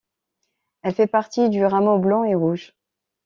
Elle fait partie du rameau blond et rouge.